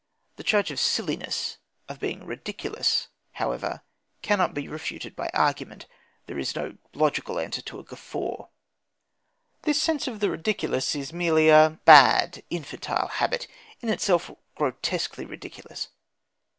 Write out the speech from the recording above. The charge of silliness, of being ridiculous, however, cannot be refuted by argument. There is no logical answer to a guffaw. This sense of the ridiculous is merely a bad, infantile habit, in itself grotesquely ridiculous.